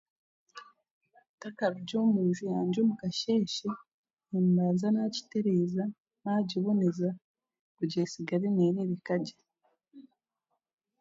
Ntakarugire omunju yangye omu kasheeshe, nimbanza naagitereeza, naagiboneza, kugira esigare neerebeka gye.